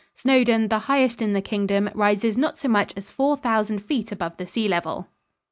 Snowdon, the highest in the Kingdom, rises not so much as four thousand feet above the sea level.